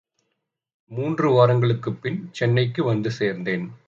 மூன்று வாரங்களுக்குப் பின் சென்னைக்கு வந்து சேர்ந்தேன்.